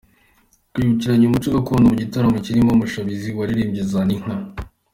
Kwibukiranya umuco gakondo mu gitaramo kirimo Mushabizi waririmbye Zaninka